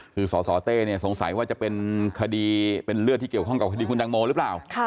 คือสสเต้เนี่ยสงสัยว่าจะเป็นคดีเป็นเลือดที่เกี่ยวข้องกับคดีคุณตังโมหรือเปล่า